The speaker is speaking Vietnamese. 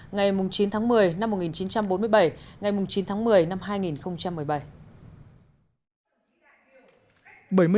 ngày chín tháng một mươi năm một nghìn chín trăm bốn mươi bảy ngày chín tháng một mươi năm hai nghìn một mươi bảy